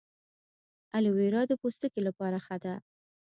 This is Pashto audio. ایلوویرا د پوستکي لپاره ښه ده